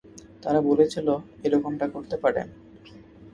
তারা বলেছিল এরকমটা করতে পারে!